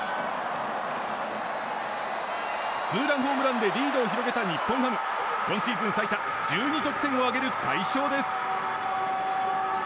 ツーランホームランでリードを広げた日本ハム。今シーズン最多１２得点を挙げる快勝です。